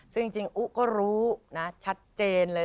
ซึ่งจริงอุ๊ก็รู้นะชัดเจนเลย